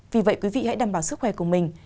vì vậy quý vị hãy đảm bảo sức khỏe của mình